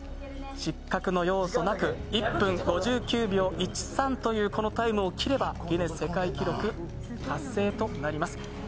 失格の要素なく、１分５９秒１３というこのタイムを切ればギネス世界記録達成となります。